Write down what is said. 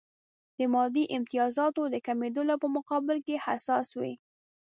د مادي امتیازاتو د کمېدلو په مقابل کې حساس وي.